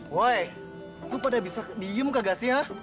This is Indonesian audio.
woy lu pada bisa diem kagak sih ya